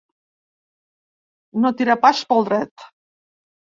No tira pas pel dret.